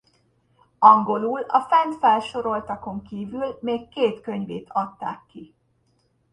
Angolul a fent felsoroltakon kívül még két könyvét adták ki.